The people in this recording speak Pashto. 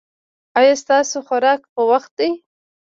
ایا ستاسو خوراک په وخت دی؟